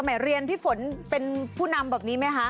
สมัยเรียนพี่ฝนเป็นผู้นำแบบนี้มั้ยคะ